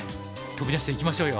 飛び出していきましょうよ。